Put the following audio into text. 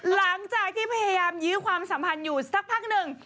หลังจากที่พยายามยื้อความสัมพันธ์อยู่สักพักหนึ่ง